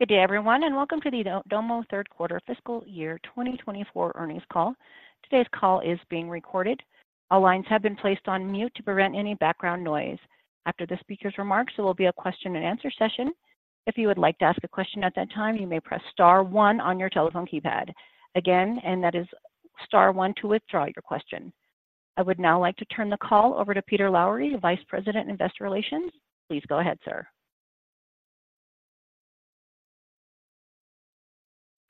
Good day, everyone, and welcome to the Domo Third Quarter Fiscal Year 2024 Earnings Call. Today's call is being recorded. All lines have been placed on mute to prevent any background noise. After the speaker's remarks, there will be a question and answer session. If you would like to ask a question at that time, you may press star one on your telephone keypad. Again, and that is star one to withdraw your question. I would now like to turn the call over to Peter Lowry, Vice President, Investor Relations. Please go ahead, sir.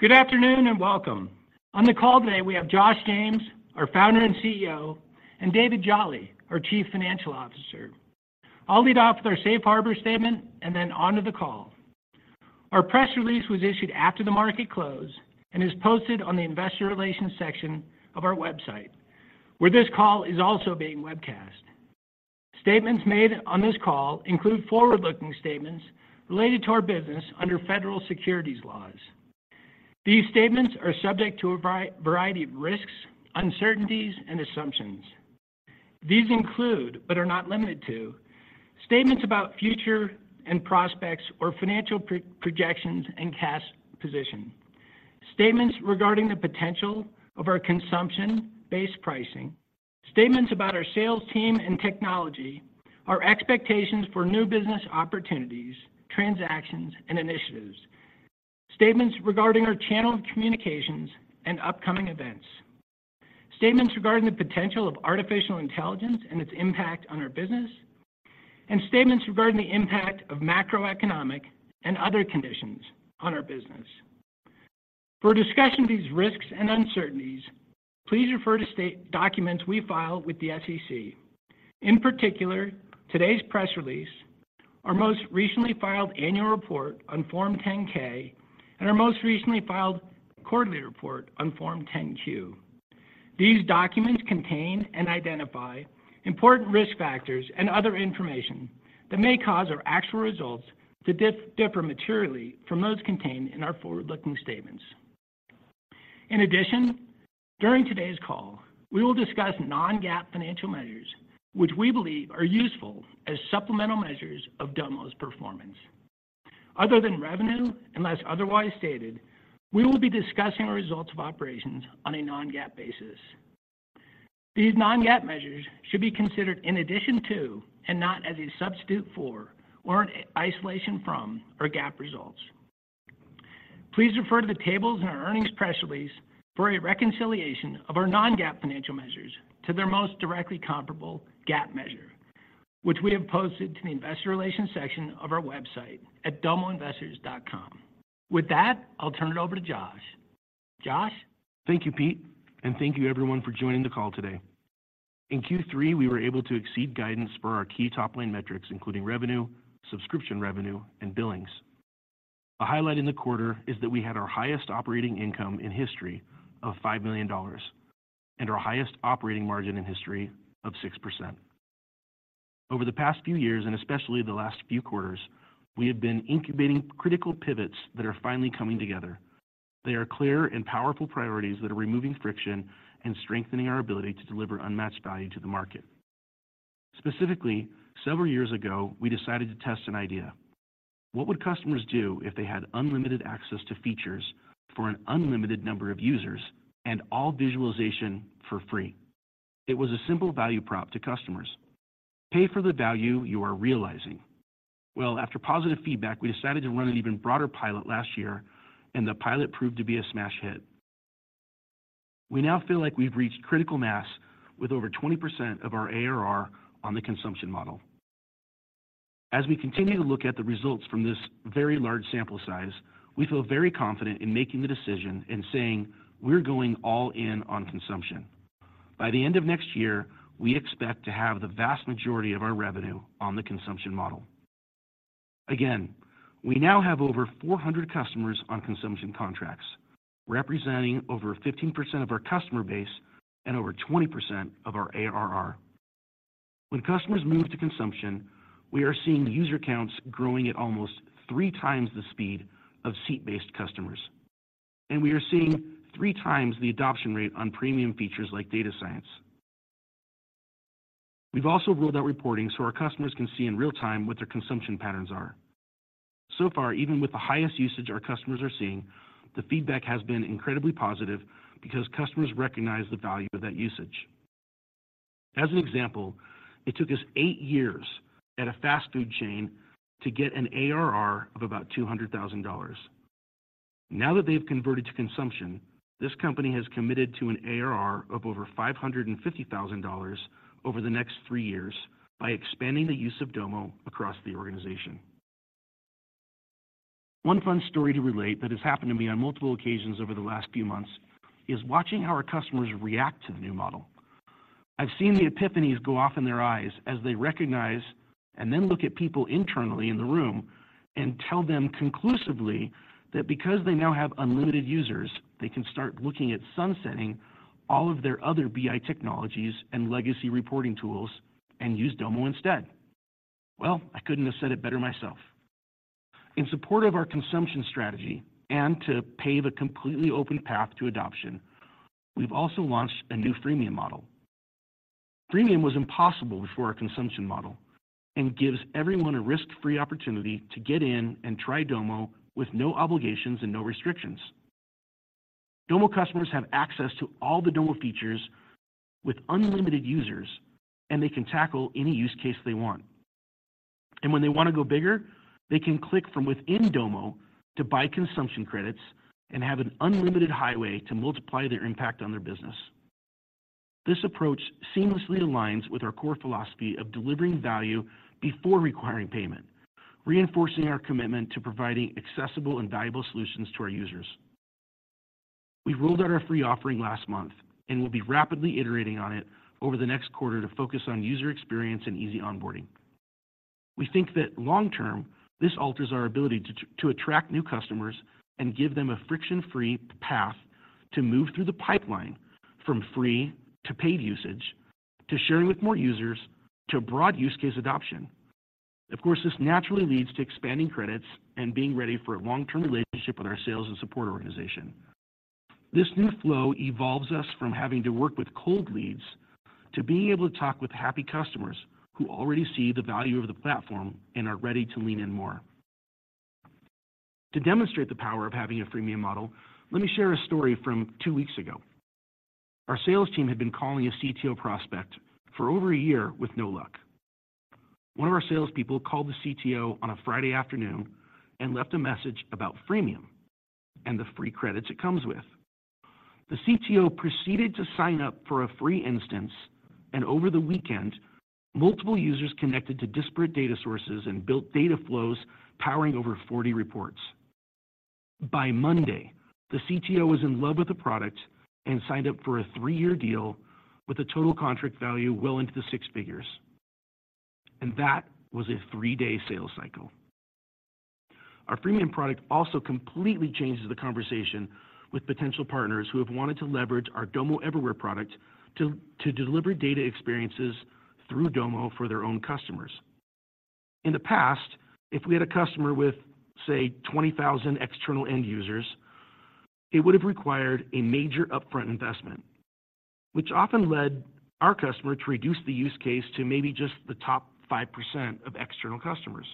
Good afternoon, and welcome. On the call today, we have Josh James, our Founder and CEO, and David Jolley, our Chief Financial Officer. I'll lead off with our safe harbor statement and then onto the call. Our press release was issued after the market closed and is posted on the investor relations section of our website, where this call is also being webcast. Statements made on this call include forward-looking statements related to our business under federal securities laws. These statements are subject to a variety of risks, uncertainties, and assumptions. These include, but are not limited to, statements about future prospects or financial projections and cash position. Statements regarding the potential of our consumption-based pricing, statements about our sales team and technology, our expectations for new business opportunities, transactions, and initiatives. Statements regarding our channel of communications and upcoming events, statements regarding the potential of artificial intelligence and its impact on our business, and statements regarding the impact of macroeconomic and other conditions on our business. For a discussion of these risks and uncertainties, please refer to the documents we filed with the SEC. In particular, today's press release, our most recently filed annual report on Form 10-K, and our most recently filed quarterly report on Form 10-Q. These documents contain and identify important risk factors and other information that may cause our actual results to differ materially from those contained in our forward-looking statements. In addition, during today's call, we will discuss non-GAAP financial measures, which we believe are useful as supplemental measures of Domo's performance. Other than revenue, unless otherwise stated, we will be discussing our results of operations on a non-GAAP basis. These non-GAAP measures should be considered in addition to, and not as a substitute for or an isolation from our GAAP results. Please refer to the tables in our earnings press release for a reconciliation of our non-GAAP financial measures to their most directly comparable GAAP measure, which we have posted to the investor relations section of our website at domoinvestors.com. With that, I'll turn it over to Josh. Josh? Thank you, Pete, and thank you everyone for joining the call today. In Q3, we were able to exceed guidance for our key top-line metrics, including revenue, subscription revenue, and billings. A highlight in the quarter is that we had our highest operating income in history of $5 million, and our highest operating margin in history of 6%. Over the past few years, and especially the last few quarters, we have been incubating critical pivots that are finally coming together. They are clear and powerful priorities that are removing friction and strengthening our ability to deliver unmatched value to the market. Specifically, several years ago, we decided to test an idea. What would customers do if they had unlimited access to features for an unlimited number of users and all visualization for free? It was a simple value prop to customers: pay for the value you are realizing. Well, after positive feedback, we decided to run an even broader pilot last year, and the pilot proved to be a smash hit. We now feel like we've reached critical mass with over 20% of our ARR on the consumption model. As we continue to look at the results from this very large sample size, we feel very confident in making the decision and saying we're going all in on consumption. By the end of next year, we expect to have the vast majority of our revenue on the consumption model. Again, we now have over 400 customers on consumption contracts, representing over 15% of our customer base and over 20% of our ARR. When customers move to consumption, we are seeing user counts growing at almost three times the speed of seat-based customers, and we are seeing three times the adoption rate on premium features like data science. We've also rolled out reporting so our customers can see in real time what their consumption patterns are. So far, even with the highest usage our customers are seeing, the feedback has been incredibly positive because customers recognize the value of that usage. As an example, it took us eight years at a fast food chain to get an ARR of about $200,000. Now that they've converted to consumption, this company has committed to an ARR of over $550,000 over the next three years by expanding the use of Domo across the organization. One fun story to relate that has happened to me on multiple occasions over the last few months is watching how our customers react to the new model. I've seen the epiphanies go off in their eyes as they recognize, and then look at people internally in the room, and tell them conclusively that because they now have unlimited users, they can start looking at sunsetting all of their other BI technologies and legacy reporting tools and use Domo instead. Well, I couldn't have said it better myself. In support of our consumption strategy and to pave a completely open path to adoption, we've also launched a new freemium model. Freemium was impossible before our consumption model and gives everyone a risk-free opportunity to get in and try Domo with no obligations and no restrictions. Domo customers have access to all the Domo features with unlimited users, and they can tackle any use case they want. When they want to go bigger, they can click from within Domo to buy consumption credits and have an unlimited highway to multiply their impact on their business. This approach seamlessly aligns with our core philosophy of delivering value before requiring payment, reinforcing our commitment to providing accessible and valuable solutions to our users. We rolled out our free offering last month, and we'll be rapidly iterating on it over the next quarter to focus on user experience and easy onboarding. We think that long-term, this alters our ability to attract new customers and give them a friction-free path to move through the pipeline from free to paid usage, to sharing with more users, to broad use case adoption. Of course, this naturally leads to expanding credits and being ready for a long-term relationship with our sales and support organization. This new flow evolves us from having to work with cold leads, to being able to talk with happy customers who already see the value of the platform and are ready to lean in more. To demonstrate the power of having a freemium model, let me share a story from two weeks ago. Our sales team had been calling a CTO prospect for over a year with no luck. One of our salespeople called the CTO on a Friday afternoon and left a message about freemium and the free credits it comes with. The CTO proceeded to sign up for a free instance, and over the weekend, multiple users connected to disparate data sources and built data flows, powering over 40 reports. By Monday, the CTO was in love with the product and signed up for a three-year deal with a total contract value well into the six figures. That was a three-day sales cycle. Our freemium product also completely changes the conversation with potential partners who have wanted to leverage our Domo Everywhere product to deliver data experiences through Domo for their own customers. In the past, if we had a customer with, say, 20,000 external end users, it would have required a major upfront investment, which often led our customer to reduce the use case to maybe just the top 5% of external customers.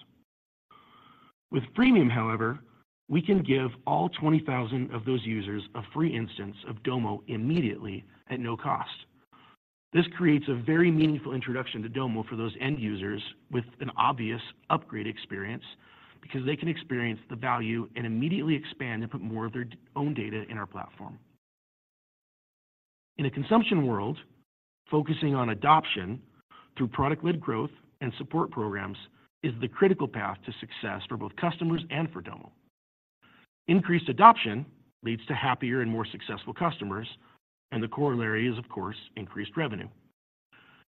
With freemium, however, we can give all 20,000 of those users a free instance of Domo immediately at no cost. This creates a very meaningful introduction to Domo for those end users with an obvious upgrade experience, because they can experience the value and immediately expand and put more of their own data in our platform. In a consumption world, focusing on adoption through product-led growth and support programs is the critical path to success for both customers and for Domo. Increased adoption leads to happier and more successful customers, and the corollary is, of course, increased revenue.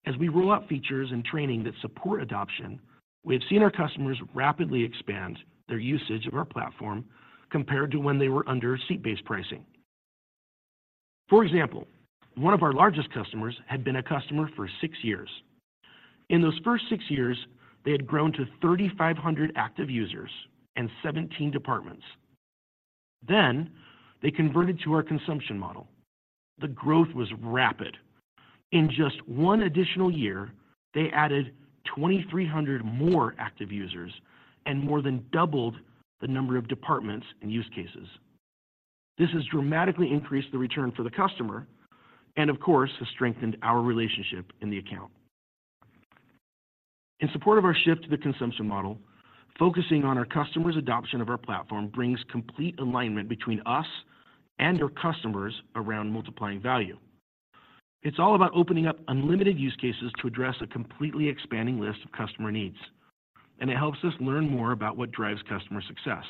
As we roll out features and training that support adoption, we have seen our customers rapidly expand their usage of our platform compared to when they were under seat-based pricing. For example, one of our largest customers had been a customer for six years. In those first six years, they had grown to 3,500 active users and 17 departments. Then they converted to our consumption model. The growth was rapid. In just one additional year, they added 2,300 more active users and more than doubled the number of departments and use cases. This has dramatically increased the return for the customer and, of course, has strengthened our relationship in the account. In support of our shift to the consumption model, focusing on our customers' adoption of our platform brings complete alignment between us and our customers around multiplying value. It's all about opening up unlimited use cases to address a completely expanding list of customer needs, and it helps us learn more about what drives customer success.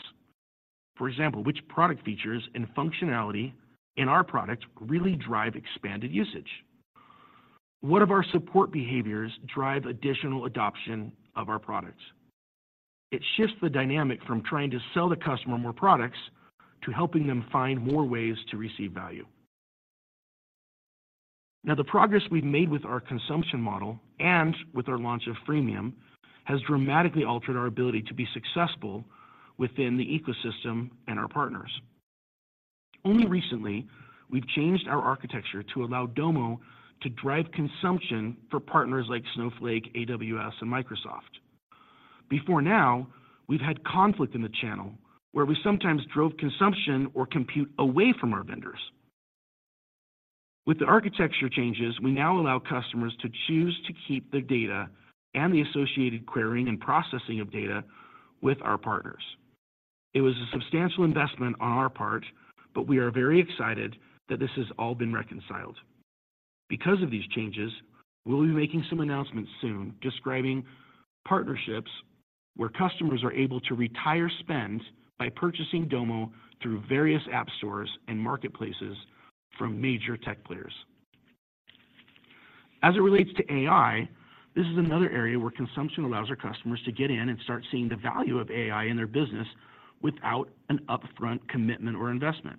For example, which product features and functionality in our products really drive expanded usage? What of our support behaviors drive additional adoption of our products? It shifts the dynamic from trying to sell the customer more products to helping them find more ways to receive value. Now, the progress we've made with our consumption model and with our launch of freemium has dramatically altered our ability to be successful within the ecosystem and our partners. Only recently, we've changed our architecture to allow Domo to drive consumption for partners like Snowflake, AWS, and Microsoft. Before now, we've had conflict in the channel, where we sometimes drove consumption or compute away from our vendors. With the architecture changes, we now allow customers to choose to keep the data and the associated querying and processing of data with our partners. It was a substantial investment on our part, but we are very excited that this has all been reconciled. Because of these changes, we'll be making some announcements soon, describing partnerships where customers are able to retire spend by purchasing Domo through various app stores and marketplaces from major tech players. As it relates to AI, this is another area where consumption allows our customers to get in and start seeing the value of AI in their business without an upfront commitment or investment.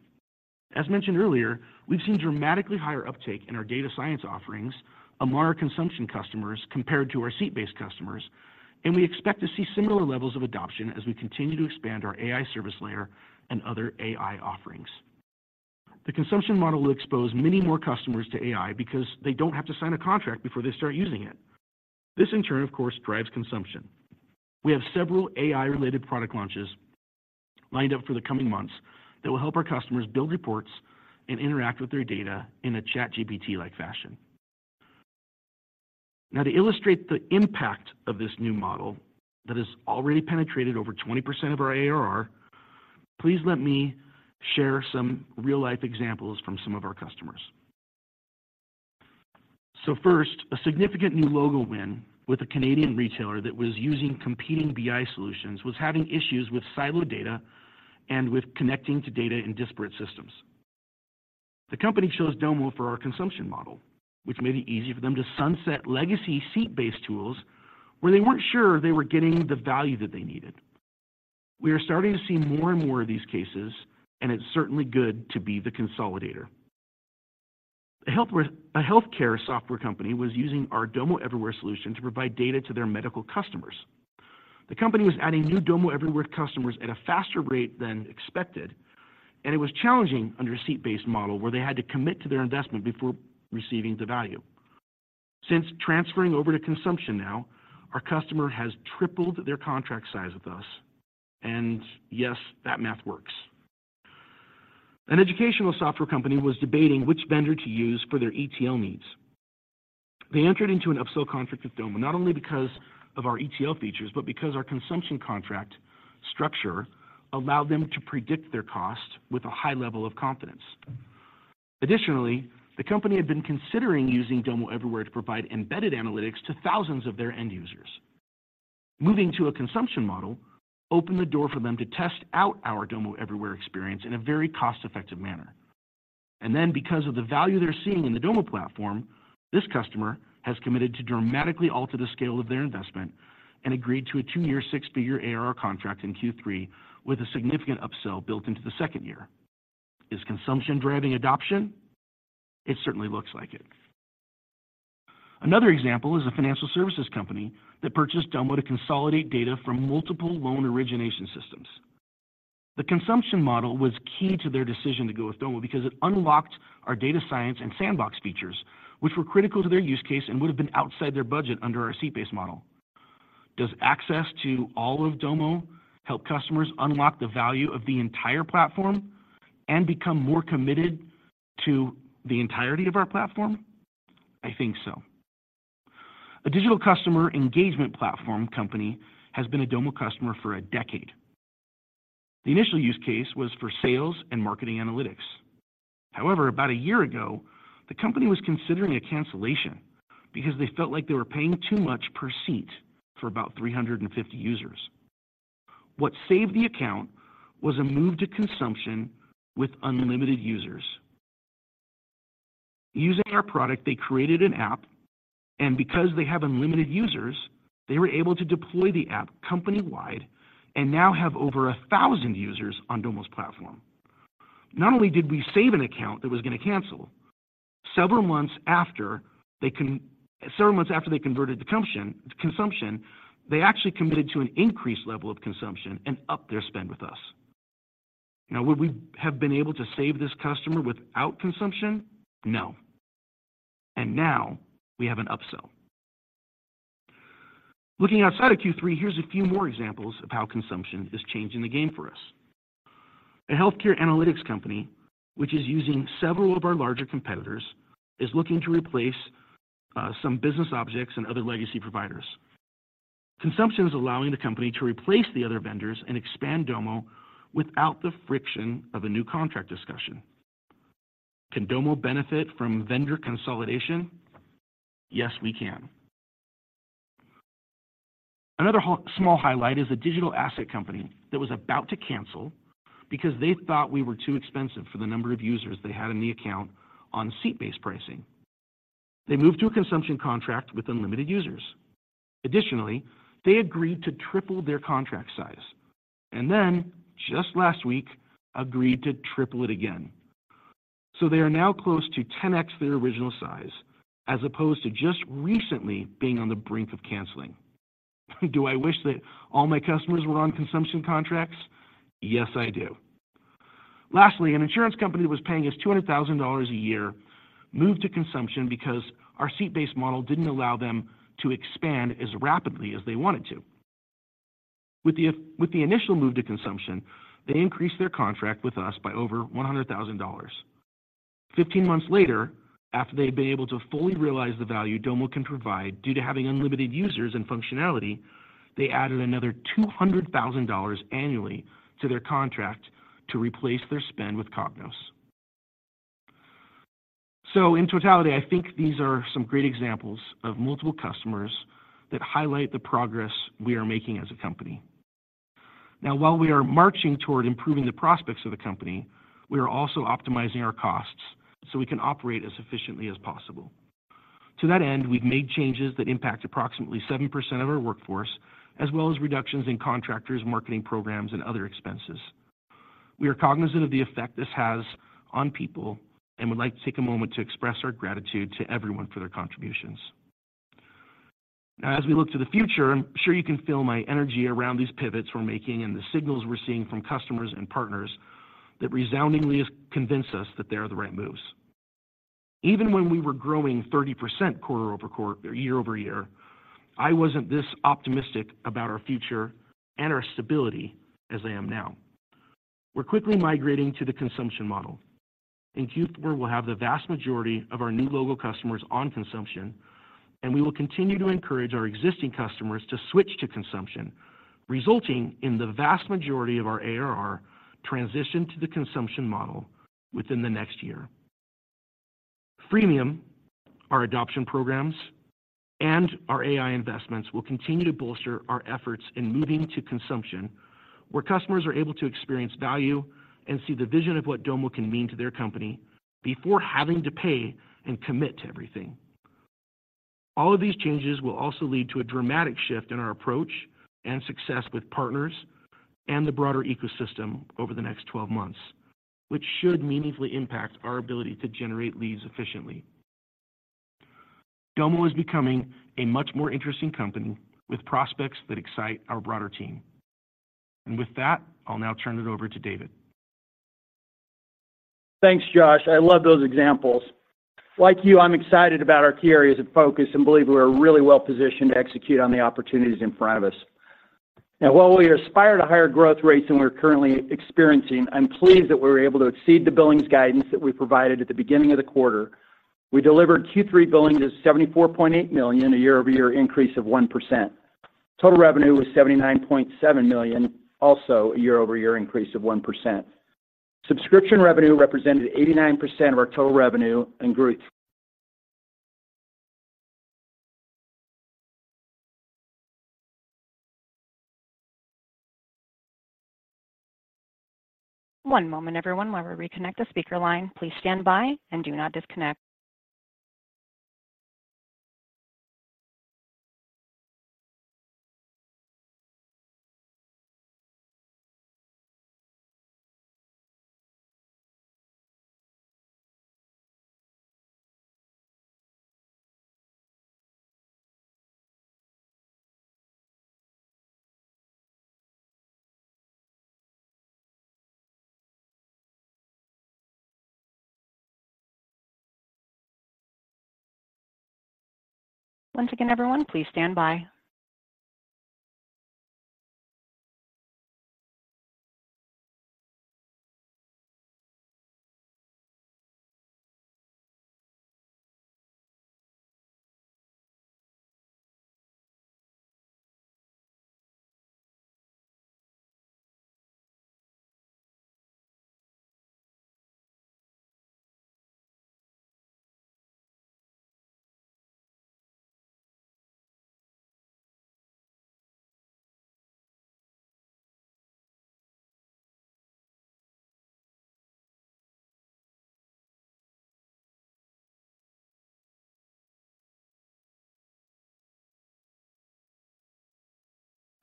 As mentioned earlier, we've seen dramatically higher uptake in our data science offerings among our consumption customers compared to our seat-based customers, and we expect to see similar levels of adoption as we continue to expand our AI service layer and other AI offerings. The consumption model will expose many more customers to AI because they don't have to sign a contract before they start using it. This, in turn, of course, drives consumption. We have several AI-related product launches lined up for the coming months that will help our customers build reports and interact with their data in a ChatGPT-like fashion. Now, to illustrate the impact of this new model that has already penetrated over 20% of our ARR, please let me share some real-life examples from some of our customers. So first, a significant new logo win with a Canadian retailer that was using competing BI solutions, was having issues with siloed data and with connecting to data in disparate systems. The company chose Domo for our consumption model, which made it easy for them to sunset legacy seat-based tools, where they weren't sure they were getting the value that they needed. We are starting to see more and more of these cases, and it's certainly good to be the consolidator. A healthcare software company was using our Domo Everywhere solution to provide data to their medical customers. The company was adding new Domo Everywhere customers at a faster rate than expected, and it was challenging under a seat-based model, where they had to commit to their investment before receiving the value. Since transferring over to consumption now, our customer has tripled their contract size with us, and yes, that math works. An educational software company was debating which vendor to use for their ETL needs. They entered into an upsell contract with Domo, not only because of our ETL features, but because our consumption contract structure allowed them to predict their cost with a high level of confidence. Additionally, the company had been considering using Domo Everywhere to provide embedded analytics to thousands of their end users. Moving to a consumption model opened the door for them to test out our Domo Everywhere experience in a very cost-effective manner. And then, because of the value they're seeing in the Domo platform, this customer has committed to dramatically alter the scale of their investment and agreed to a two-year, six-figure ARR contract in Q3, with a significant upsell built into the second year. Is consumption driving adoption? It certainly looks like it. Another example is a financial services company that purchased Domo to consolidate data from multiple loan origination systems. The consumption model was key to their decision to go with Domo because it unlocked our data science and sandbox features, which were critical to their use case and would have been outside their budget under our seat-based model. Does access to all of Domo help customers unlock the value of the entire platform and become more committed to the entirety of our platform? I think so. A digital customer engagement platform company has been a Domo customer for a decade. The initial use case was for sales and marketing analytics. However, about a year ago, the company was considering a cancellation because they felt like they were paying too much per seat for about 350 users. What saved the account was a move to consumption with unlimited users. Using our product, they created an app, and because they have unlimited users, they were able to deploy the app company-wide and now have over 1,000 users on Domo's platform. Not only did we save an account that was going to cancel, several months after they converted to consumption, they actually committed to an increased level of consumption and upped their spend with us. Now, would we have been able to save this customer without consumption? No. Now we have an upsell. Looking outside of Q3, here's a few more examples of how consumption is changing the game for us. A healthcare analytics company, which is using several of our larger competitors, is looking to replace some BusinessObjects and other legacy providers. Consumption is allowing the company to replace the other vendors and expand Domo without the friction of a new contract discussion. Can Domo benefit from vendor consolidation? Yes, we can. Another small highlight is a digital asset company that was about to cancel because they thought we were too expensive for the number of users they had in the account on seat-based pricing. They moved to a consumption contract with unlimited users. Additionally, they agreed to triple their contract size, and then, just last week, agreed to triple it again. So they are now close to 10x their original size, as opposed to just recently being on the brink of canceling. Do I wish that all my customers were on consumption contracts? Yes, I do. Lastly, an insurance company that was paying us $200,000 a year moved to consumption because our seat-based model didn't allow them to expand as rapidly as they wanted to. With the initial move to consumption, they increased their contract with us by over $100,000. Fifteen months later, after they'd been able to fully realize the value Domo can provide due to having unlimited users and functionality, they added another $200,000 annually to their contract to replace their spend with Cognos. So in totality, I think these are some great examples of multiple customers that highlight the progress we are making as a company. Now, while we are marching toward improving the prospects of the company, we are also optimizing our costs so we can operate as efficiently as possible. To that end, we've made changes that impact approximately 7% of our workforce, as well as reductions in contractors, marketing programs, and other expenses. We are cognizant of the effect this has on people and would like to take a moment to express our gratitude to everyone for their contributions. As we look to the future, I'm sure you can feel my energy around these pivots we're making and the signals we're seeing from customers and partners that resoundingly has convinced us that they are the right moves. Even when we were growing 30% quarter-over-quarter, year-over-year, I wasn't this optimistic about our future and our stability as I am now. We're quickly migrating to the consumption model. In Q4, we'll have the vast majority of our new logo customers on consumption, and we will continue to encourage our existing customers to switch to consumption, resulting in the vast majority of our ARR transition to the consumption model within the next year. Freemium, our adoption programs, and our AI investments will continue to bolster our efforts in moving to consumption, where customers are able to experience value and see the vision of what Domo can mean to their company before having to pay and commit to everything. All of these changes will also lead to a dramatic shift in our approach and success with partners and the broader ecosystem over the next 12 months, which should meaningfully impact our ability to generate leads efficiently. Domo is becoming a much more interesting company with prospects that excite our broader team. With that, I'll now turn it over to David. Thanks, Josh. I love those examples. Like you, I'm excited about our key areas of focus and believe we are really well positioned to execute on the opportunities in front of us. Now, while we aspire to higher growth rates than we're currently experiencing, I'm pleased that we were able to exceed the billings guidance that we provided at the beginning of the quarter. We delivered Q3 billings of $74.8 million, a year-over-year increase of 1%. Total revenue was $79.7 million, also a year-over-year increase of 1%. Subscription revenue represented 89% of our total revenue and grew- One moment, everyone, while we reconnect the speaker line. Please stand by and do not disconnect. Once again, everyone, please stand by.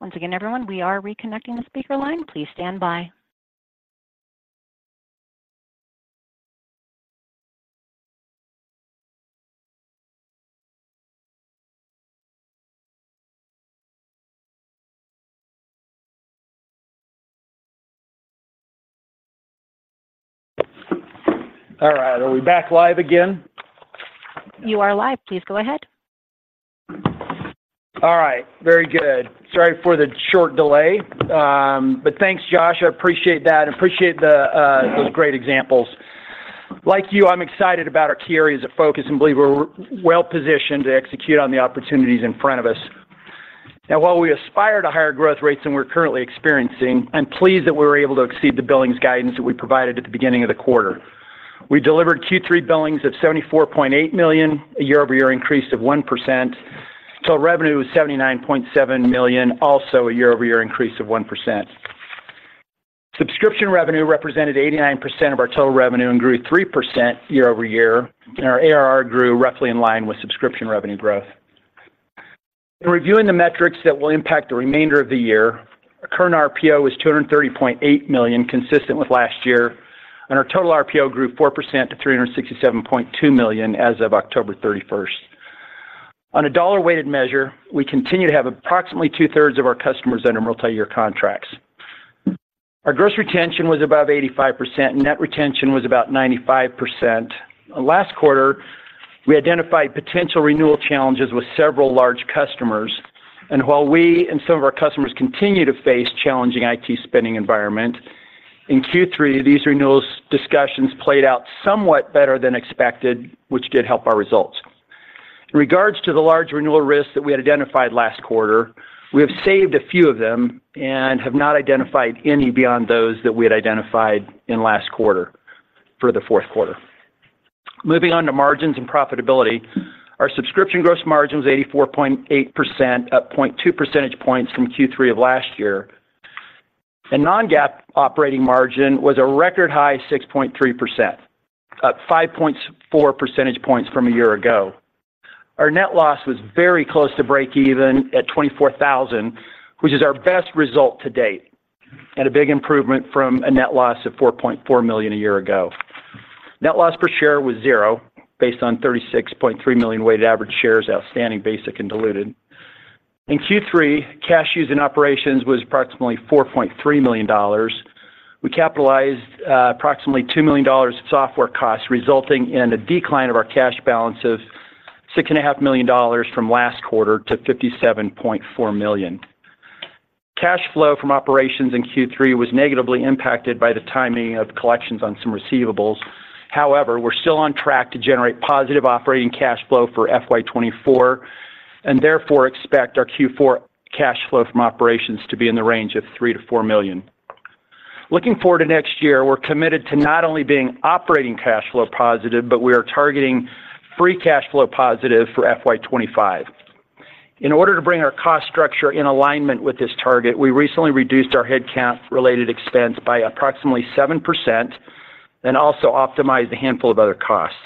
Once again, everyone, we are reconnecting the speaker line. Please stand by. All right. Are we back live again? You are live. Please go ahead. All right. Very good. Sorry for the short delay. But thanks, Josh, I appreciate that and appreciate the those great examples. Like you, I'm excited about our key areas of focus and believe we're well-positioned to execute on the opportunities in front of us. Now, while we aspire to higher growth rates than we're currently experiencing, I'm pleased that we were able to exceed the billings guidance that we provided at the beginning of the quarter. We delivered Q3 billings of $74.8 million, a year-over-year increase of 1%. Total revenue was $79.7 million, also a year-over-year increase of 1%. Subscription revenue represented 89% of our total revenue and grew 3% year-over-year, and our ARR grew roughly in line with subscription revenue growth. In reviewing the metrics that will impact the remainder of the year, our current RPO is $230.8 million, consistent with last year, and our total RPO grew 4% to $367.2 million as of October thirty-first. On a dollar weighted measure, we continue to have approximately two-thirds of our customers under multi-year contracts. Our gross retention was above 85%, net retention was about 95%. Last quarter, we identified potential renewal challenges with several large customers, and while we and some of our customers continue to face challenging IT spending environment, in Q3, these renewals discussions played out somewhat better than expected, which did help our results. In regards to the large renewal risks that we had identified last quarter, we have saved a few of them and have not identified any beyond those that we had identified in last quarter for the fourth quarter. Moving on to margins and profitability. Our subscription gross margin was 84.8%, up 0.2 percentage points from Q3 of last year. The non-GAAP operating margin was a record high 6.3%, up 5.4 percentage points from a year ago. Our net loss was very close to breakeven at $24,000, which is our best result to date, and a big improvement from a net loss of $4.4 million a year ago. ...Net loss per share was zero, based on 36.3 million weighted average shares outstanding, basic and diluted. In Q3, cash used in operations was approximately $4.3 million. We capitalized approximately $2 million in software costs, resulting in a decline of our cash balance of $6.5 million from last quarter to $57.4 million. Cash flow from operations in Q3 was negatively impacted by the timing of collections on some receivables. However, we're still on track to generate positive operating cash flow for FY 2024, and therefore expect our Q4 cash flow from operations to be in the range of $3 million-$4 million. Looking forward to next year, we're committed to not only being operating cash flow positive, but we are targeting free cash flow positive for FY 2025. In order to bring our cost structure in alignment with this target, we recently reduced our headcount-related expense by approximately 7% and also optimized a handful of other costs.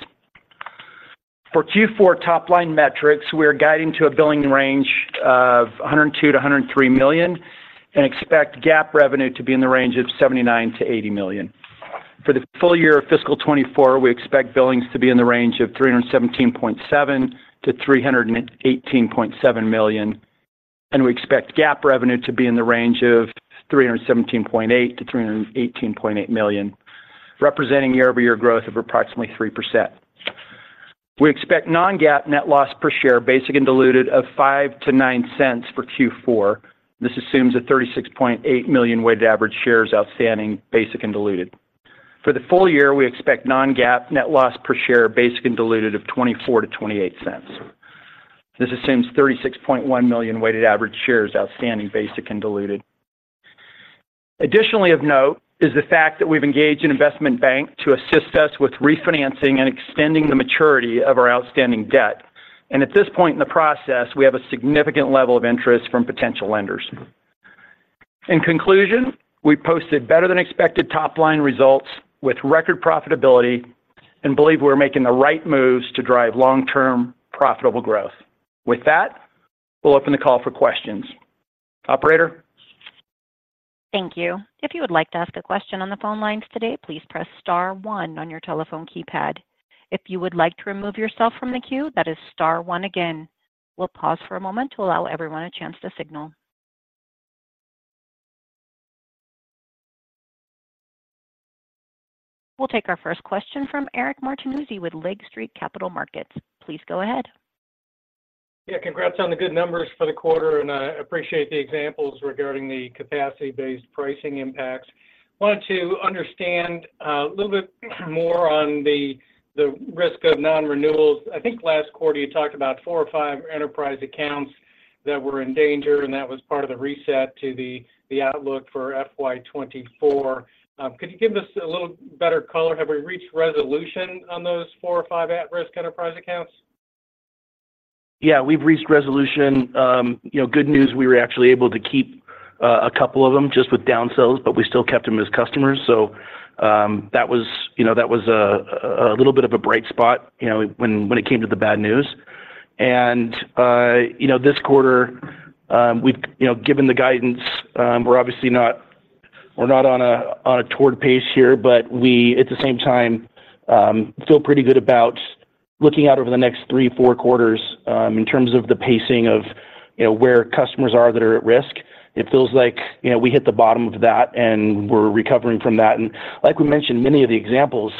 For Q4 top-line metrics, we are guiding to a billing range of $102 million-$103 million, and expect GAAP revenue to be in the range of $79 million-$80 million. For the full year of fiscal 2024, we expect billings to be in the range of $317.7 million-$318.7 million, and we expect GAAP revenue to be in the range of $317.8 million-$318.8 million, representing year-over-year growth of approximately 3%. We expect non-GAAP net loss per share, basic and diluted, of $0.05-$0.09 for Q4. This assumes a 36.8 million weighted average shares outstanding, basic and diluted. For the full year, we expect non-GAAP net loss per share, basic and diluted, of $0.24-$0.28. This assumes 36.1 million weighted average shares outstanding, basic and diluted. Additionally of note, is the fact that we've engaged an investment bank to assist us with refinancing and extending the maturity of our outstanding debt, and at this point in the process, we have a significant level of interest from potential lenders. In conclusion, we posted better-than-expected top-line results with record profitability and believe we're making the right moves to drive long-term profitable growth. With that, we'll open the call for questions. Operator? Thank you. If you would like to ask a question on the phone lines today, please press star one on your telephone keypad. If you would like to remove yourself from the queue, that is star one again. We'll pause for a moment to allow everyone a chance to signal. We'll take our first question from Eric Martinuzzi with Lake Street Capital Markets. Please go ahead. Yeah, congrats on the good numbers for the quarter, and I appreciate the examples regarding the capacity-based pricing impacts. Wanted to understand a little bit more on the risk of non-renewals. I think last quarter, you talked about four or five enterprise accounts that were in danger, and that was part of the reset to the outlook for FY 2024. Could you give us a little better color? Have we reached resolution on those four or five at-risk enterprise accounts? Yeah, we've reached resolution. You know, good news, we were actually able to keep a couple of them just with downsells, but we still kept them as customers. So, that was, you know, that was a little bit of a bright spot, you know, when it came to the bad news. And, you know, this quarter, we've... You know, given the guidance, we're obviously not- we're not on a torrid pace here, but we, at the same time, feel pretty good about looking out over the next three, four quarters, in terms of the pacing of, you know, where customers are that are at risk. It feels like, you know, we hit the bottom of that, and we're recovering from that. And like we mentioned, many of the examples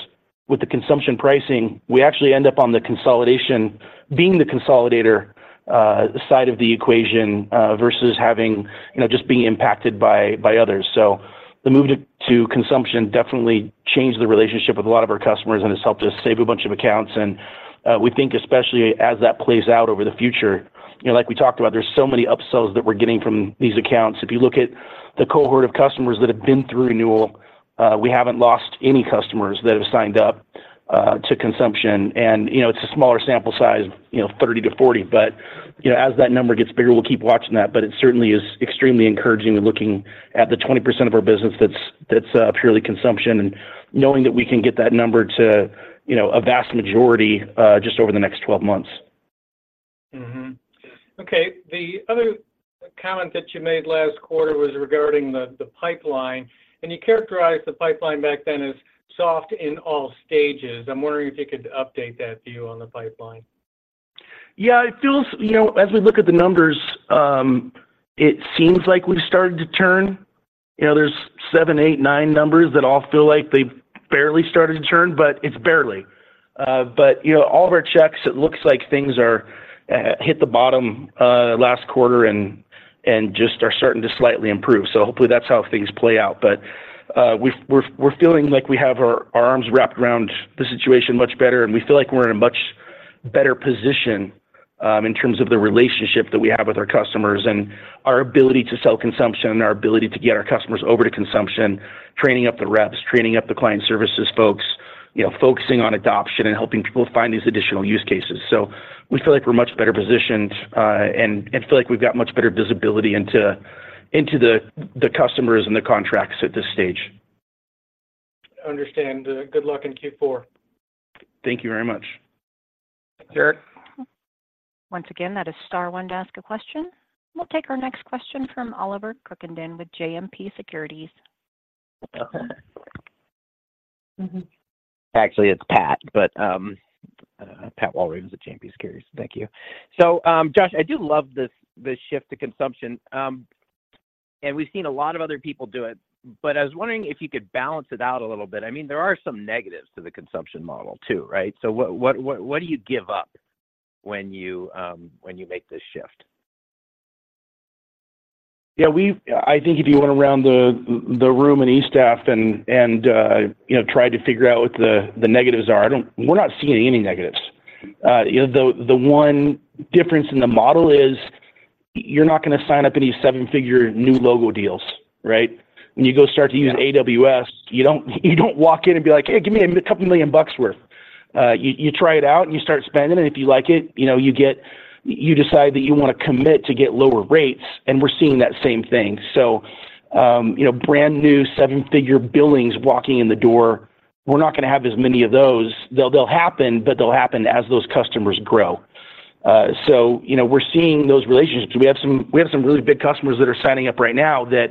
with the consumption pricing, we actually end up on the consolidation, being the consolidator, side of the equation, versus having, you know, just being impacted by, by others. So the move to, to consumption definitely changed the relationship with a lot of our customers, and has helped us save a bunch of accounts. And, we think, especially as that plays out over the future, you know, like we talked about, there's so many upsells that we're getting from these accounts. If you look at the cohort of customers that have been through renewal, we haven't lost any customers that have signed up, to consumption. And, you know, it's a smaller sample size, you know, 30-40, but, you know, as that number gets bigger, we'll keep watching that. But it certainly is extremely encouraging, looking at the 20% of our business that's purely consumption, and knowing that we can get that number to, you know, a vast majority, just over the next 12 months. Mm-hmm. Okay. The other comment that you made last quarter was regarding the pipeline, and you characterized the pipeline back then as soft in all stages. I'm wondering if you could update that view on the pipeline. Yeah, it feels... You know, as we look at the numbers, it seems like we've started to turn. You know, there's seven, eight, nine numbers that all feel like they've barely started to turn, but it's barely. But, you know, all of our checks, it looks like things are hit the bottom last quarter and just are starting to slightly improve. So hopefully, that's how things play out. But, we've- we're feeling like we have our arms wrapped around the situation much better, and we feel like we're in a much better position, in terms of the relationship that we have with our customers and our ability to sell consumption and our ability to get our customers over to consumption, training up the reps, training up the client services folks, you know, focusing on adoption and helping people find these additional use cases. So we feel like we're much better positioned, and feel like we've got much better visibility into the customers and the contracts at this stage. Understand. Good luck in Q4. Thank you very much.... Once again, that is star one to ask a question. We'll take our next question from Oliver Crookenden with JMP Securities. Actually, it's Pat, but Pat Walravens with JMP Securities. Thank you. So, Josh, I do love this shift to consumption. And we've seen a lot of other people do it, but I was wondering if you could balance it out a little bit. I mean, there are some negatives to the consumption model, too, right? So what do you give up when you make this shift? Yeah, I think if you went around the room in e-staff and, you know, tried to figure out what the negatives are, we're not seeing any negatives. You know, the one difference in the model is you're not gonna sign up any seven-figure new logo deals, right? When you go start to use- Yeah... AWS, you don't, you don't walk in and be like, "Hey, give me a couple million bucks worth." You try it out, and you start spending, and if you like it, you know, you decide that you wanna commit to get lower rates, and we're seeing that same thing. So, you know, brand-new, seven-figure billings walking in the door, we're not gonna have as many of those. They'll, they'll happen, but they'll happen as those customers grow. So, you know, we're seeing those relationships. We have some, we have some really big customers that are signing up right now that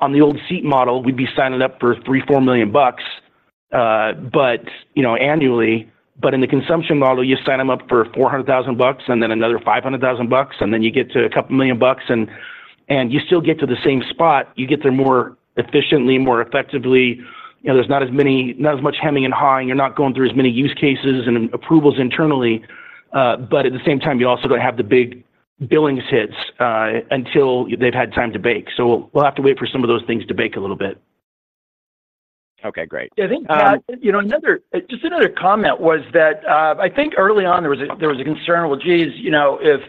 on the old seat model, we'd be signing up for $3 million-$4 million, but, you know, annually. But in the consumption model, you sign them up for $400,000, and then another $500,000, and then you get to $2 million, and you still get to the same spot. You get there more efficiently, more effectively. You know, there's not as much hemming and hawing. You're not going through as many use cases and approvals internally. But at the same time, you're also gonna have the big billings hits, until they've had time to bake. So we'll have to wait for some of those things to bake a little bit. Okay, great. I think, Pat, you know, another... just another comment was that, I think early on, there was a concern, "Well, geez, you know, if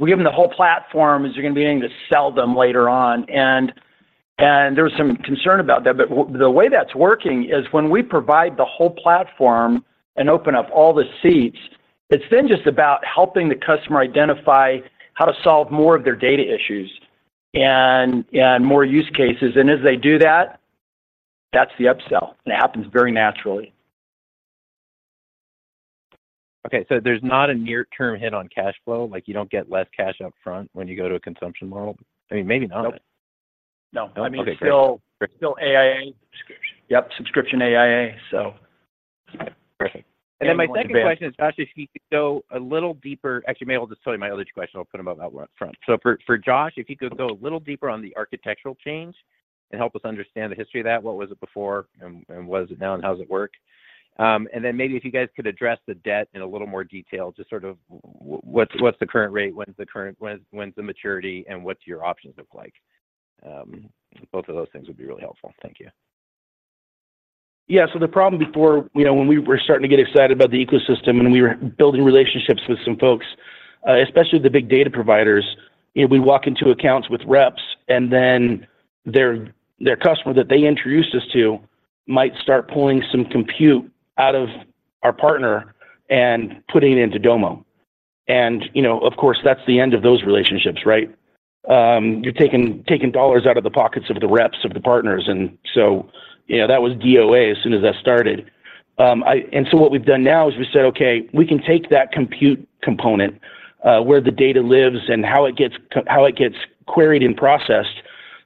we give them the whole platform, is there gonna be anything to sell them later on?" And there was some concern about that. But the way that's working is when we provide the whole platform and open up all the seats, it's then just about helping the customer identify how to solve more of their data issues and more use cases. And as they do that, that's the upsell. It happens very naturally. Okay, so there's not a near-term hit on cash flow? Like, you don't get less cash up front when you go to a consumption model. I mean, maybe not. Nope. No. Okay, great. It's still AI subscription. Yep, subscription AI, so... Okay, perfect. And then my second question is, Josh, if you could go a little deeper... Actually, maybe I'll just tell you my other question. I'll put them both out front. So for Josh, if you could go a little deeper on the architectural change and help us understand the history of that. What was it before, and what is it now, and how does it work? And then maybe if you guys could address the debt in a little more detail, just sort of what's the current rate, when's the maturity, and what's your options look like? Both of those things would be really helpful. Thank you. Yeah, so the problem before, you know, when we were starting to get excited about the ecosystem, and we were building relationships with some folks, especially the big data providers, you know, we walk into accounts with reps, and then their customer that they introduced us to might start pulling some compute out of our partner and putting it into Domo. And, you know, of course, that's the end of those relationships, right? You're taking dollars out of the pockets of the reps, of the partners, and so, you know, that was DOA as soon as that started. I... And so what we've done now is we said, "Okay, we can take that compute component, where the data lives and how it gets queried and processed,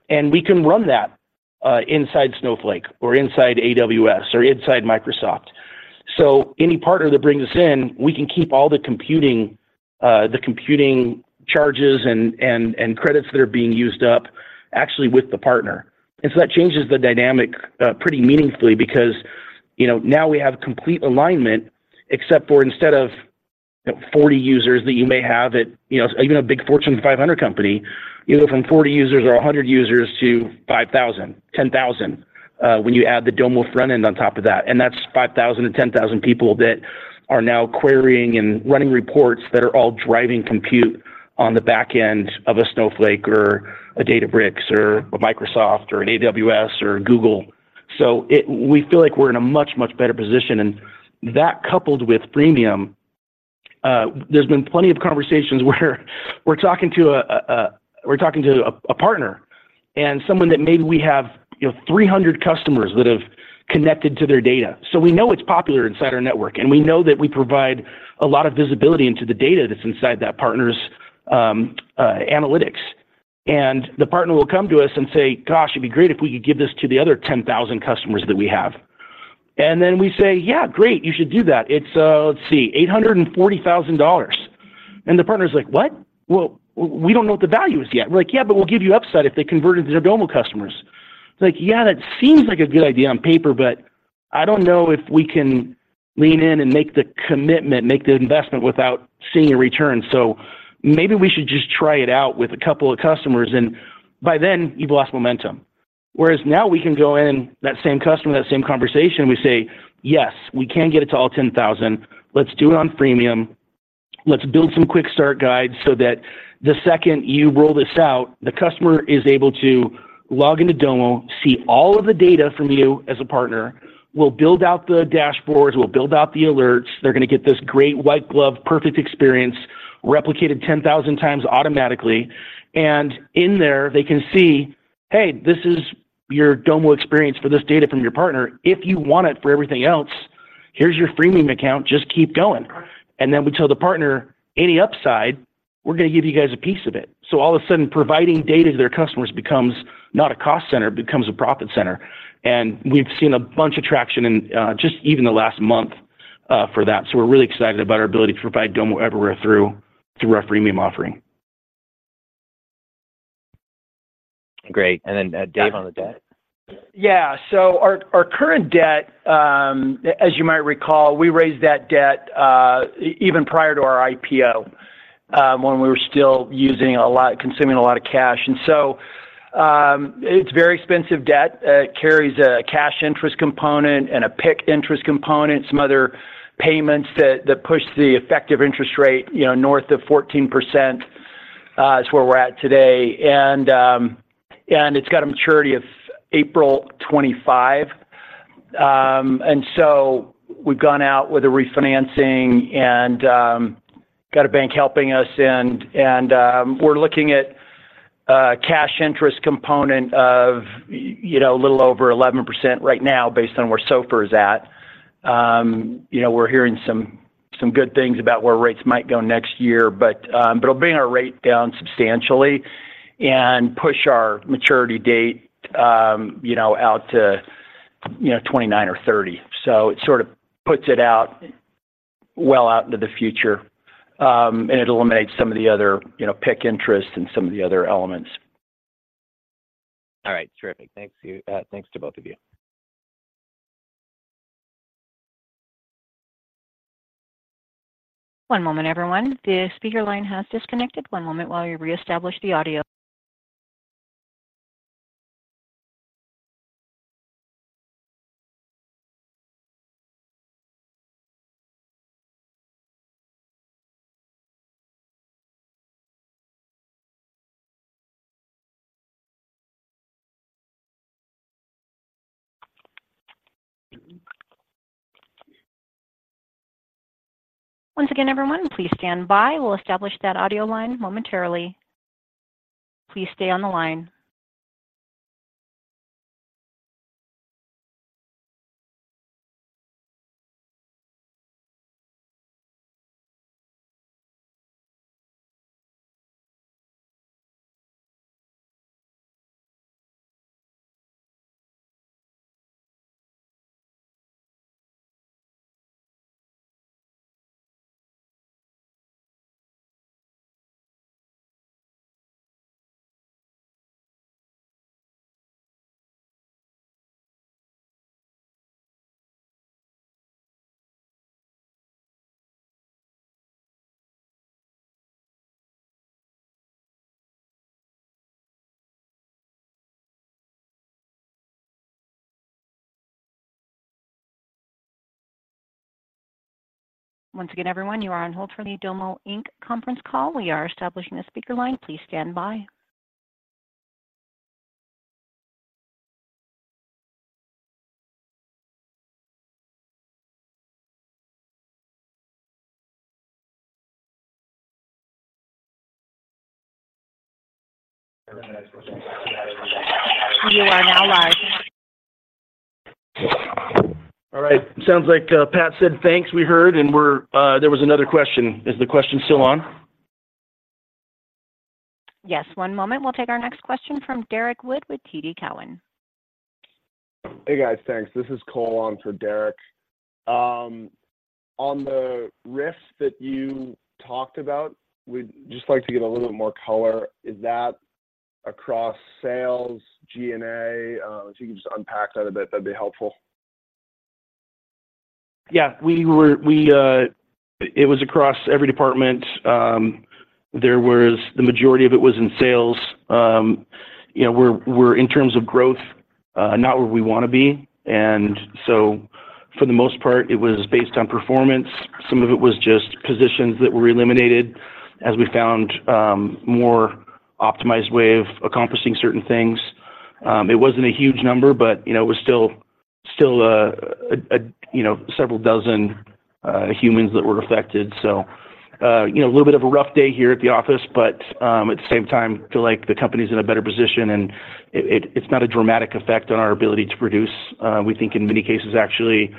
and we can run that inside Snowflake or inside AWS or inside Microsoft." So any partner that brings us in, we can keep all the computing, the computing charges and credits that are being used up actually with the partner. And so that changes the dynamic pretty meaningfully because, you know, now we have complete alignment, except for instead of, you know, 40 users that you may have at, you know, even a big Fortune 500 company, you go from 40 users or 100 users to 5,000, 10,000 when you add the Domo front end on top of that. That's 5,000-10,000 people that are now querying and running reports that are all driving compute on the back end of a Snowflake or a Databricks or a Microsoft or an AWS or a Google. So we feel like we're in a much, much better position, and that coupled with freemium, there's been plenty of conversations where we're talking to a partner and someone that maybe we have, you know, 300 customers that have connected to their data. So we know it's popular inside our network, and we know that we provide a lot of visibility into the data that's inside that partner's analytics. The partner will come to us and say, "Gosh, it'd be great if we could give this to the other 10,000 customers that we have." And then we say, "Yeah, great, you should do that. It's, let's see, $840,000." And the partner's like, "What? Well, we don't know what the value is yet." We're like, "Yeah, but we'll give you upside if they converted to Domo customers." They're like, "Yeah, that seems like a good idea on paper, but I don't know if we can lean in and make the commitment, make the investment without seeing a return, so maybe we should just try it out with a couple of customers." And by then, you've lost momentum. Whereas now we can go in, that same customer, that same conversation, we say, "Yes, we can get it to all 10,000. Let's do it on freemium. Let's build some quick start guides so that the second you roll this out, the customer is able to log into Domo, see all of the data from you as a partner. We'll build out the dashboards. We'll build out the alerts. They're gonna get this great white glove, perfect experience replicated 10,000x automatically. And in there, they can see, "Hey, this is your Domo experience for this data from your partner. If you want it for everything else, here's your freemium account, just keep going. And then we tell the partner, 'Any upside, we're gonna give you guys a piece of it.' So all of a sudden, providing data to their customers becomes not a cost center, it becomes a profit center. And we've seen a bunch of traction in just even the last month for that. So we're really excited about our ability to provide Domo Everywhere through our Freemium offering. Great. And then, Dave, on the debt. Yeah. So our current debt, as you might recall, we raised that debt, even prior to our IPO, when we were still consuming a lot of cash. And so, it's very expensive debt. It carries a cash interest component and a PIK interest component, some other payments that push the effective interest rate, you know, north of 14%, is where we're at today. And, and it's got a maturity of April 25. And so we've gone out with a refinancing and, got a bank helping us, and, we're looking at a cash interest component of, you know, a little over 11% right now based on where SOFR is at. You know, we're hearing some good things about where rates might go next year, but but it'll bring our rate down substantially and push our maturity date, you know, out to, you know, 2029 or 2030. So it sort of puts it out, well out into the future, and it eliminates some of the other, you know, PIK interest and some of the other elements. All right. Terrific. Thanks to you, thanks to both of you. One moment, everyone. The speaker line has disconnected. One moment while we reestablish the audio. Once again, everyone, please stand by. We'll establish that audio line momentarily. Please stay on the line. Once again, everyone, you are on hold for the Domo, Inc. conference call. We are establishing a speaker line. Please stand by. You are now live. All right. Sounds like, Pat said thanks, we heard, there was another question. Is the question still on? Yes, one moment. We'll take our next question from Derek Wood with TD Cowen. Hey, guys. Thanks. This is Cole on for Derek. On the risk that you talked about, we'd just like to get a little bit more color. Is that across sales, G&A? If you can just unpack that a bit, that'd be helpful. Yeah, we were-- we, it was across every department. There was... The majority of it was in sales. You know, we're, we're, in terms of growth, not where we want to be, and so for the most part, it was based on performance. Some of it was just positions that were eliminated as we found, more optimized way of accomplishing certain things. It wasn't a huge number, but, you know, it was still, still, a, a, you know, several dozen, humans that were affected. So, you know, a little bit of a rough day here at the office, but, at the same time, feel like the company's in a better position, and it, it, it's not a dramatic effect on our ability to produce. We think in many cases, actually,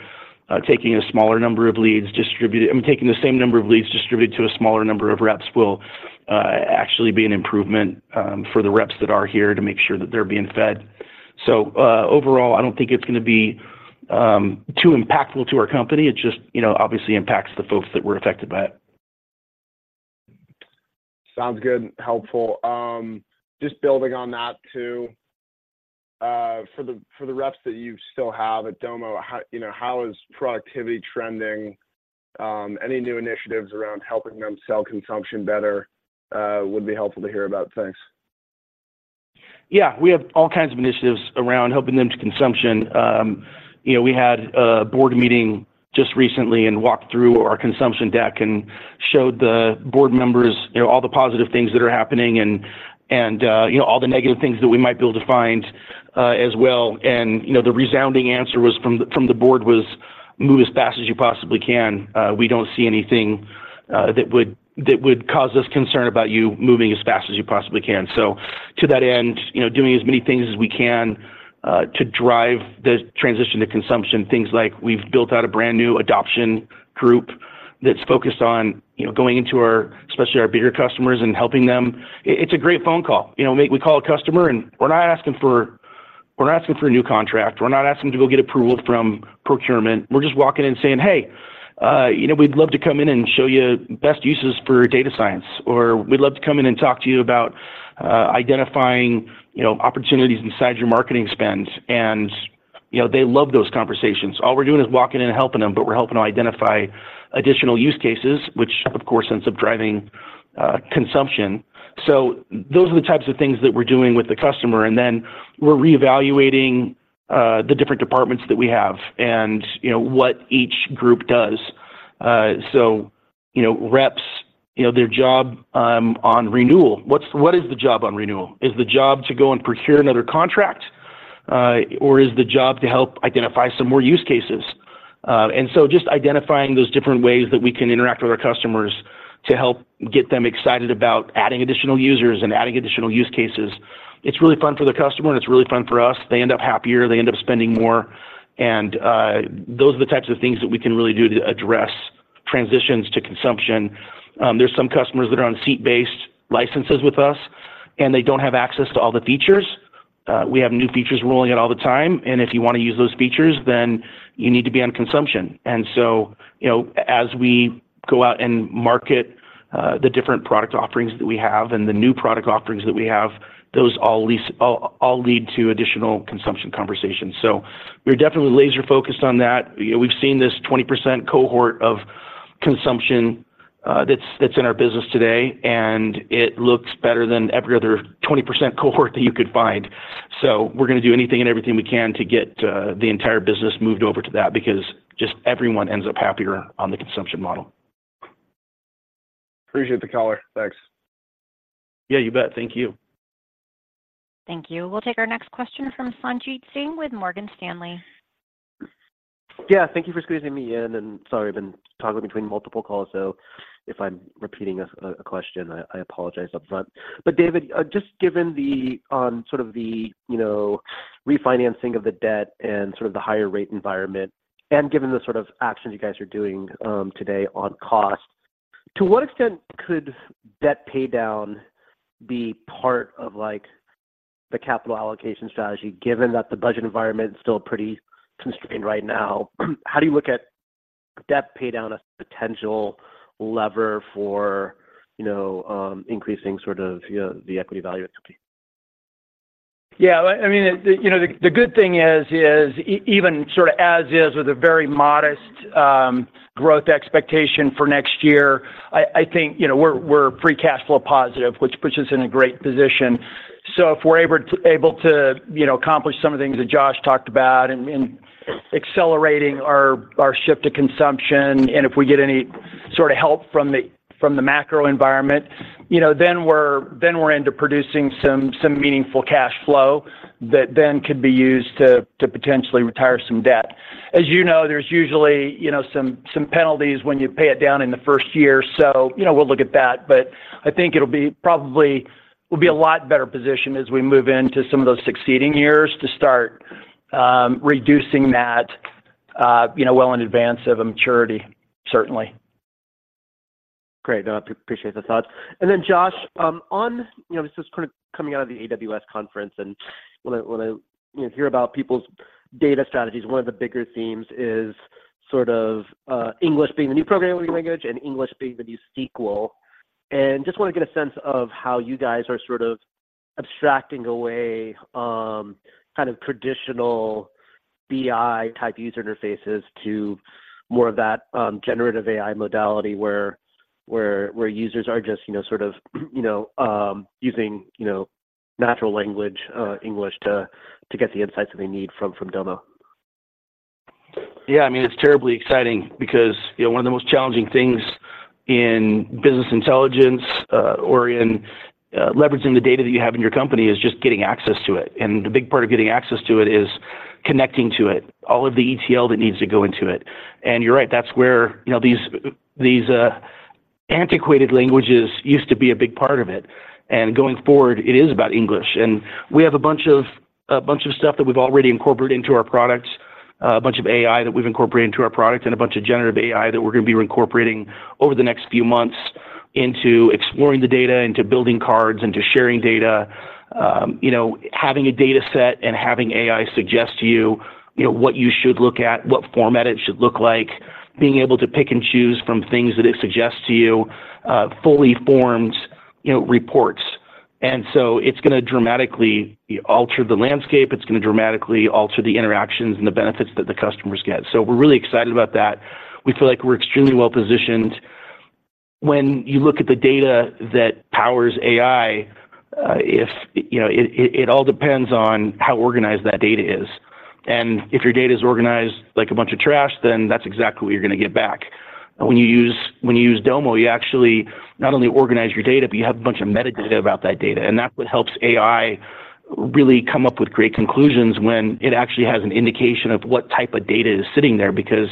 taking a smaller number of leads distributed, I mean, taking the same number of leads distributed to a smaller number of reps will actually be an improvement for the reps that are here to make sure that they're being fed. So, overall, I don't think it's gonna be too impactful to our company. It just, you know, obviously impacts the folks that were affected by it. Sounds good and helpful. Just building on that too, for the reps that you still have at Domo, you know, how is productivity trending? Any new initiatives around helping them sell consumption better would be helpful to hear about. Thanks. Yeah, we have all kinds of initiatives around helping them to consumption. You know, we had a board meeting just recently and walked through our consumption deck and showed the board members, you know, all the positive things that are happening and, you know, all the negative things that we might be able to find, as well. You know, the resounding answer was from the board was, "Move as fast as you possibly can. We don't see anything that would cause us concern about you moving as fast as you possibly can." So to that end, you know, doing as many things as we can to drive the transition to consumption, things like we've built out a brand new adoption group that's focused on, you know, going into our, especially our bigger customers and helping them. It's a great phone call. You know, we call a customer, and we're not asking for, we're not asking for a new contract. We're not asking to go get approval from procurement. We're just walking in and saying, "Hey, you know, we'd love to come in and show you best uses for data science," or, "We'd love to come in and talk to you about identifying, you know, opportunities inside your marketing spend." And, you know, they love those conversations. All we're doing is walking in and helping them, but we're helping them identify additional use cases, which, of course, ends up driving consumption. So those are the types of things that we're doing with the customer, and then we're reevaluating the different departments that we have and, you know, what each group does. So, you know, reps, you know, their job, on renewal, what is the job on renewal? Is the job to go and procure another contract, or is the job to help identify some more use cases? And so just identifying those different ways that we can interact with our customers to help get them excited about adding additional users and adding additional use cases, it's really fun for the customer, and it's really fun for us. They end up happier. They end up spending more, and those are the types of things that we can really do to address transitions to consumption. There's some customers that are on seat-based licenses with us, and they don't have access to all the features. We have new features rolling out all the time, and if you want to use those features, then you need to be on consumption. And so, you know, as we go out and market the different product offerings that we have and the new product offerings that we have, those all lead to additional consumption conversations. So we're definitely laser-focused on that. You know, we've seen this 20% cohort of consumption that's in our business today, and it looks better than every other 20% cohort that you could find. So we're gonna do anything and everything we can to get the entire business moved over to that because just everyone ends up happier on the consumption model. Appreciate the color. Thanks. Yeah, you bet. Thank you. Thank you. We'll take our next question from Sanjit Singh with Morgan Stanley. Yeah, thank you for squeezing me in, and sorry, I've been toggling between multiple calls, so if I'm repeating a question, I apologize upfront. But David, just given the sort of the, you know, refinancing of the debt and sort of the higher rate environment and given the sort of actions you guys are doing today on cost, to what extent could debt paydown be part of, like, the capital allocation strategy, given that the budget environment is still pretty constrained right now? How do you look at debt paydown as a potential lever for, you know, increasing sort of, you know, the equity value of the company? Yeah, I mean, the good thing is even sort of as is with a very modest growth expectation for next year, I think, you know, we're free cash flow positive, which puts us in a great position. So if we're able to accomplish some of the things that Josh talked about in accelerating our shift to consumption, and if we get any sort of help from the macro environment, you know, then we're into producing some meaningful cash flow that then could be used to potentially retire some debt. As you know, there's usually some penalties when you pay it down in the first year, so, you know, we'll look at that. But I think it'll be, probably will be a lot better positioned as we move into some of those succeeding years to start, reducing that, you know, well in advance of a maturity, certainly. Great. Appreciate the thoughts. And then, Josh, on, you know, this is kind of coming out of the AWS conference, and when I, you know, hear about people's data strategies, one of the bigger themes is sort of, English being the new programming language and English being the new SQL, and just want to get a sense of how you guys are sort of abstracting away, kind of traditional BI-type user interfaces to more of that, generative AI modality where users are just, you know, sort of, you know, using, you know, natural language, English, to get the insights that they need from, Domo. Yeah, I mean, it's terribly exciting because, you know, one of the most challenging things in business intelligence, or in, leveraging the data that you have in your company is just getting access to it, and the big part of getting access to it is connecting to it, all of the ETL that needs to go into it. And you're right, that's where, you know, these, these, antiquated languages used to be a big part of it, and going forward, it is about English. And we have a bunch of, a bunch of stuff that we've already incorporated into our products, a bunch of AI that we've incorporated into our products, and a bunch of generative AI that we're gonna be incorporating over the next few months into exploring the data, into building cards, into sharing data. You know, having a data set and having AI suggest to you, you know, what you should look at, what format it should look like, being able to pick and choose from things that it suggests to you, fully formed, you know, reports. And so it's gonna dramatically alter the landscape. It's gonna dramatically alter the interactions and the benefits that the customers get, so we're really excited about that. We feel like we're extremely well-positioned. When you look at the data that powers AI, you know, it all depends on how organized that data is, and if your data is organized like a bunch of trash, then that's exactly what you're gonna get back. When you use Domo, you actually not only organize your data, but you have a bunch of metadata about that data, and that's what helps AI really come up with great conclusions when it actually has an indication of what type of data is sitting there. Because,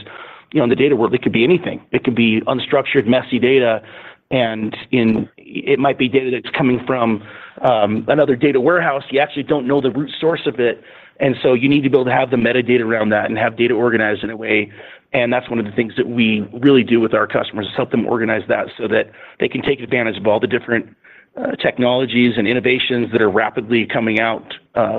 you know, in the data world, it could be anything. It could be unstructured, messy data, and it might be data that's coming from another data warehouse. You actually don't know the root source of it, and so you need to be able to have the metadata around that and have data organized in a way, and that's one of the things that we really do with our customers, is help them organize that so that they can take advantage of all the different technologies and innovations that are rapidly coming out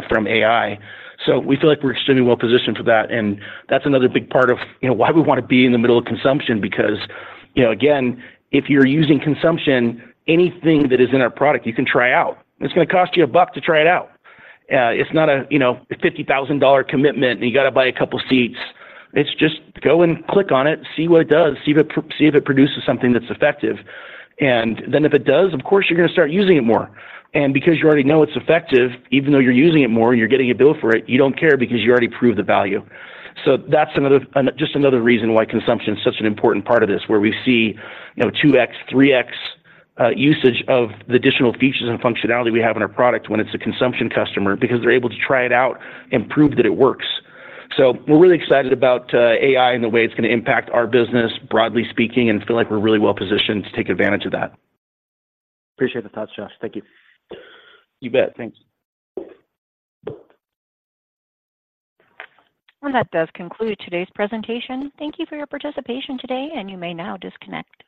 from AI. So we feel like we're extremely well-positioned for that, and that's another big part of, you know, why we want to be in the middle of consumption because, you know, again, if you're using consumption, anything that is in our product, you can try out, and it's gonna cost you $1 to try it out. It's not a, you know, a $50,000 commitment, and you gotta buy a couple seats. It's just go and click on it, see what it does, see if it produces something that's effective, and then if it does, of course, you're gonna start using it more. And because you already know it's effective, even though you're using it more and you're getting a bill for it, you don't care because you already proved the value. So that's another, just another reason why consumption is such an important part of this, where we see, you know, 2x, 3x usage of the additional features and functionality we have in our product when it's a consumption customer because they're able to try it out and prove that it works. So we're really excited about AI and the way it's gonna impact our business, broadly speaking, and feel like we're really well-positioned to take advantage of that. Appreciate the thoughts, Josh. Thank you. You bet. Thanks. Well, that does conclude today's presentation. Thank you for your participation today, and you may now disconnect.